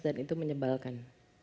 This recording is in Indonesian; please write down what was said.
dan itu menyebalkan